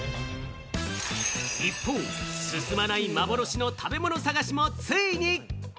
一方、進まない幻の食べ物探しも、ついに！